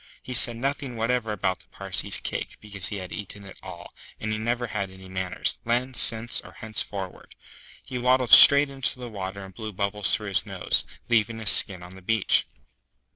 He said nothing whatever about the Parsee's cake, because he had eaten it all; and he never had any manners, then, since, or henceforward. He waddled straight into the water and blew bubbles through his nose, leaving his skin on the beach.